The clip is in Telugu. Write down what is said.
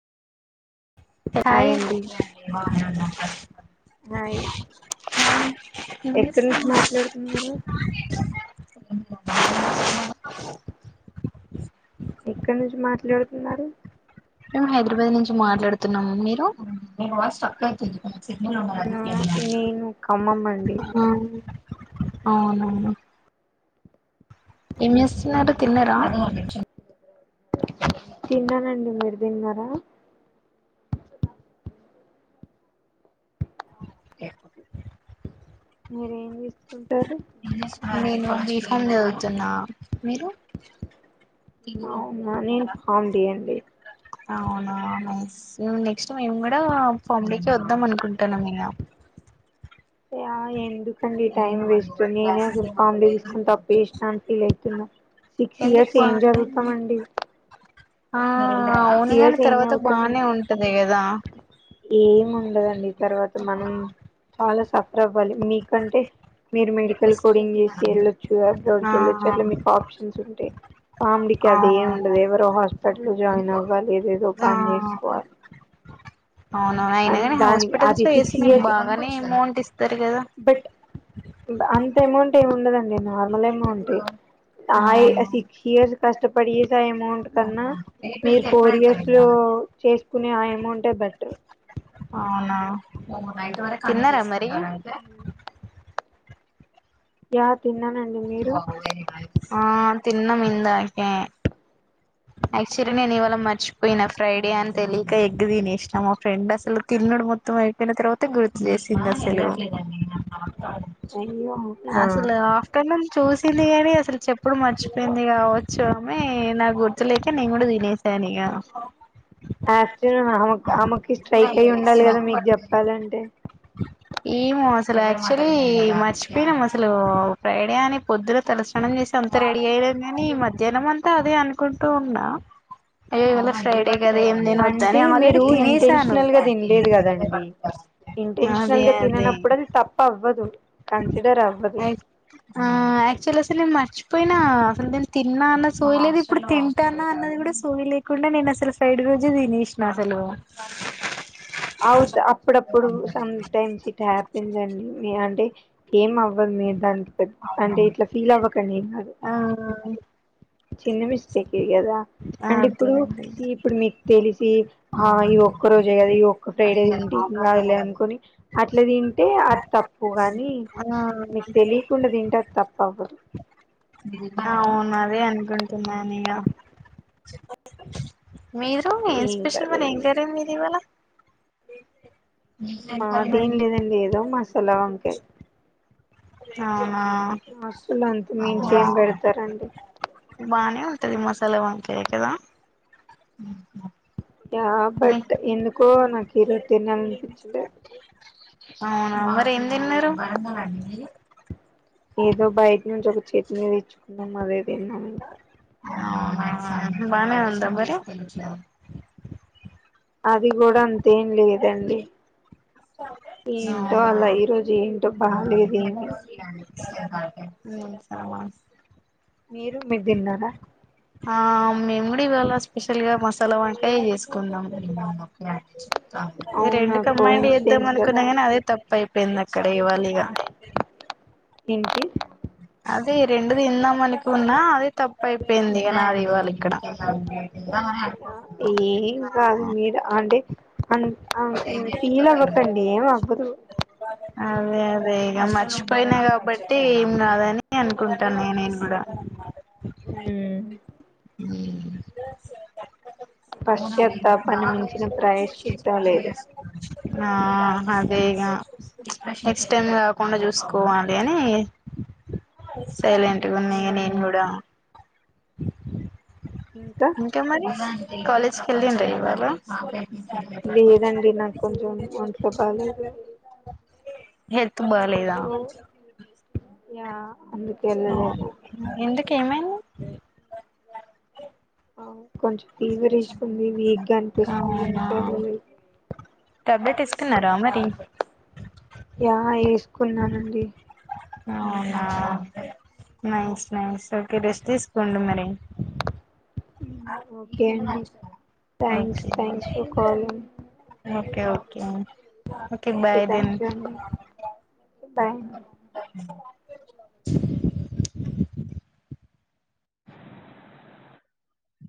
హాయ్ హాయి అండి హాయ్ ఎక్కడి నుంచి చేస్తున్నావ్ మాట్లాడుతున్నారు ఎ క్కడ నుంచి మాట్లాడుతున్నారు మేము హైదరాబాద్ నుంచి మాట్లాడుతున్నాము మీరు మీ వాయిస్ స్టాక్ అవ్తుంది చెంబులో అవునా వున్నటానకి నేను ఖమ్మం అండి అవునవును ఏం చేస్తున్నారు తిన్నారా తిన్నానండి మీరు తిన్నారా. ఎ మీరేం చేస్తా నేను బి ఫోన్ చదువుతున్న మీరు అవునా నేమ్ ఫామ్ డి అండి అవునా నైస్ నెక్స్ట్ మేము కూడా ఫార్మ్ డి కి వద్దాం అనుకుంటున్నం ఇగ అ ఎందుకండి టైం వేస్ట్ నేనే అసలు ఫార్మడీ తీసుకుని తప్పు చేశనన్ని ఫీల్ అవుతున్నా సిక్స్ ఎందుకు ఇయర్స్ బా ఏం చదువుతాం ఆండి. ఆ సిక్స్ అవునుగాని ఇయర్స్ ఏం తర్వాత బానే ఉంటది కదా దా ఏం ఉండదండి తర్వాత మనం చాలా సఫర్ అవ్వాలి మీ కంటే మీరు మెడికల్ కోడింగ్ చేసి వెళ్ళొచ్చు కదా అప్పట్లో ఆ వెల్లివచ్చారు. అట్లా మీకు ఆప్షన్స్ ఉంటాయి ఫార్మడీ అది ఏ అవును ఉండదు ఎవరో హాస్పిటల్లో జాయిన్ అవ్వాలి ఏదేదో పని చేసుకోవాలి అవునవును అయినా కాని దానికి హాస్పిటల్స్ అది లో సిక్స్ చేస్తే మీకు ఇయర్స్ బాగానే అమౌంట్ ఇస్తారు. కదా ఎమౌంట్ ఏమి ఉండదండి నార్మల్ అమౌంటే ఆ అవును ఏజ లో సిక్స్ ఇయర్స్ కష్ట పడి అమౌంట్ కన్నా మీరు ఫోర్ ఇయర్స్ లో చేసుకునే ఆ అమౌంట్ ప [inaudible] అవునా తిన్నారా మరి స యా తిన్నానండి మీరు తిన్నం ఇందాకే యాక్చువల్లీ నేను ఇవాళ మర్చిపోయినా ఫ్రైడే అని తెలియక ఎగ్ తినేసా మా ఫ్రెండ్ అసలు తిన్నడు మొత్తం అయిపోయిన తర్వాత గుర్తు చేసిా అసలు అయ్యో అవునా అసలు ఆఫ్టర్నూన్ చూసింది అని అసలు చె ఇప్పుడు మర్చిపోయింది కావచ్చు ఆమె నా గుర్తు ననే కూడా తినేస ఆఫ్టర్నూన్ ఆమె ఆమెకి స్ట్రైక్ అయి ఉండాలి కదా మీకు చెప్పాలంటే ఏమో అసలు యాక్చువలీ మర్చిపోయినాము అసలు ప్ర్రైడ అని పొద్దున తెలుసు స్నానం చేసి అంత రెడీ అయినం కానీ జన్మ అంతా అదే కుంటూ ఉన్న ఏవళ ఫ్రైడే కదా ఏం నన వద్దా న అంటే ఆల్రెడీ మీరు తినసాను ఇంటెన్షనల్ గా తినలేదు కదండి అదే ఇంటెన్షనల్ గా అదే తిననప్పుడు అది తప్ప అవ్వదు కన్సిడర్ అవ్వదు యాక్చువల్ అస నేను మర్చి పోయినా అసల్ నిన్ తిన్న అన్న సోవీ లెద్ ప్పుడు తింటాన్న అన్నది కూడా సోవి లే కుండా నేను అసలు ఫ్రైడ్ రోజు తిినేషినా అసలు అవు త్ అప్పుడప్పుడు సం టైమ్స్ ఇట్ హ్యాపీస్ అండి అంటే ఏం అవ్ వ్వద్ మీ దానికి అంటే ఇట్లా ఫీల్ అవ్వ కానీ ఎం కాదు చిన్న మిస్టేకే గదా ఆ అంటే అదే ఇప్పుడు అదే సి ఇప్పుడు మీకు తెలిస్ ఇ ఆ ఇ ఒక్క రోజే కదా ఇ ఒక్క ఫ్రైడే తింటి ఎం కాదులే అనుకొని అట్ అట్లా తింటే అది తప్పు గాని ఆ మీకు తెలియకుండా తింటే అది తప్పు అవ్వదు అవును అదే అనుకుంటున్నానిగ మీరు ఏం స్పెషల్ మరి ఏం కరి మీది ఇవ్వాళ మాదేం లేదండి ఏదో మస్ తెల్ల వంకాయ్ అవునా హస్టల్లో అంతా మించి బా ఏం పెడతారండి బానే ఉంటంది మసాలా వంకాయ కదా ఆ పెట్ ఎందుకో నాకు ఈరోజు తినాలి అనిపించలేదు అవునా మరి ఎం తిన్నరు ఏదో బయట్నుచి ఒక చే నీ తేచ్చుకున్నాం అదే తిన్నాం ఇంకా బాగా నే ఉందా మరి అది కూడా అంతేం లేదండి ఏంటో అలా ఈ రోజు ఏంటో బాలేదేమి హు సమస్ మీరు మీరు తిన్నారా ఆ మేము కూడా ఇవాళ స్పెషల్ గా మసాలా వంకాయే చేసుకుంనం ఈ అవునా రెండు కో కామేడ్ చేద్దాం ఇన్సిడెన్స్ అనుకున్నా కదా కానీ అదే తప్ పై పొఇందక్ ఇక్కడ ఇవ్వాలి ఇగ ఇ [unintelligible] ఏంటి అదే రెండు తిందాం అనుకున్నా అదే తప్పు అయిపోయింది ఇగ నాది ఇవాల ఇక్కడ ఏం కాదు మీరు అంటే అన్ ఫీల్ అవ్వకండి ఏం అవ్వదు అదే అదే ఇగ మర్చిపోయినా కాబట్టి ఏం కాదని అనుకుంటాను నే నేను కూడా గా నమ్మదు హ్మ్ హ్మ్ థాట్స్ ఓకే అవునా పశ్చాత్తాపాన్ని మించిన ప్రాయశ్చిత్తం లేదు [unintelligible] ఆ హ అదేగా నెక్స్ట్ టైమ్ కాకుండా చూసుకోవాలి అని సైలెంట్ గున్న ఇగ మ్ నేనుకూడా [unintelligible] ఇంకా మరి కాలేజ్ కి వెళ్ళిడ్రా ఇవాళ ఆ పోలే లేదండి నాకు కొంచెం ఒంట్లో బాలేదు హెల్త్ బాలేదా సో య ఆ ఎందుకు ఏమైంది హుమ్మ్ హ అవును కొంచం ఫీవర్ ఇషుకుంది వీక్ గా అనిపిస్తుంది అవునా అందుకే వెళ్ళలేదు టాబ్లెట్ వేసుకున్నారా మరి యా వేసుకున్నానండి అవునా నైస్ నైస్ ఓకే రెస్ట్ తీసుకోండి మరి హ్మ్ ఓకే అండి thanks okay thanks for calling okay okay okay bye then thank you అండి బాయ్